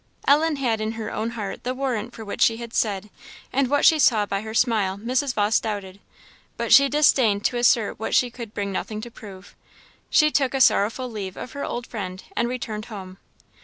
Ellen had in her own heart the warrant for what she had said, and what she saw by her smile Mrs. Vawse doubted; but she disdained to assert what she could bring nothing to prove. She took a sorrowful leave of her old friend, and returned home.